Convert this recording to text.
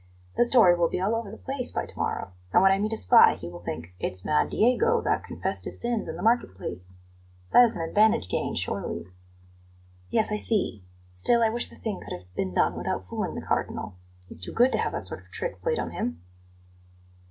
The story will be all over the place by to morrow, and when I meet a spy he will only think: 'It's mad Diego, that confessed his sins in the market place.' That is an advantage gained, surely." "Yes, I see. Still, I wish the thing could have been done without fooling the Cardinal. He's too good to have that sort of trick played on him."